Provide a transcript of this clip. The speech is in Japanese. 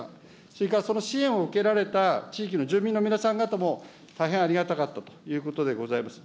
それから、その支援を受けられた地域の住民の皆さん方も、大変ありがたかったということでございます。